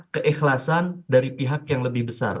keikhlasan dari pihak yang lebih besar